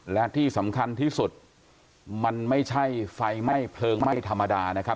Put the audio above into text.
และที่สำคัญที่สุดมันไม่ใช่ไฟไหม้เพลิงไหม้ธรรมดานะครับ